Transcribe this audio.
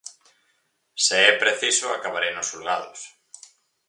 Se é preciso acabarei nos xulgados.